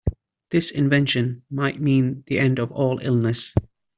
This invention might mean the end of all illness.